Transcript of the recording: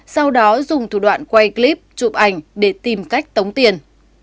sau đó dùng thủ đoạn quay clip chụp ảnh để tìm cách tống tiền